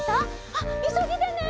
あっいそぎでね。